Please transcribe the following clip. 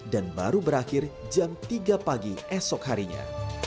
dan baru berakhir jam tiga pagi esok harinya